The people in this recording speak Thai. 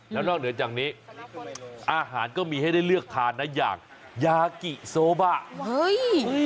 แล้วนอกเหนือจากนี้อาหารก็มีให้ได้เลือกทานนะอย่างยากิโซบะเฮ้ย